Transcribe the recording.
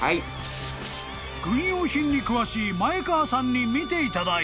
［軍用品に詳しい前川さんに見ていただいた］